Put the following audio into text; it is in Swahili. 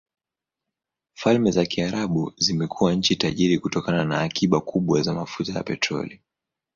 Falme za Kiarabu zimekuwa nchi tajiri kutokana na akiba kubwa za mafuta ya petroli.